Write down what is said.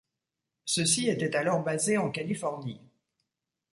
Ceux-ci étaient alors basés en Californie.